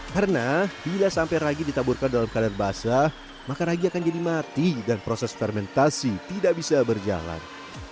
karena bila sampai ragi ditaburkan dalam kadar basah maka ragi akan jadi mati dan proses fermentasi tidak bisa berjalan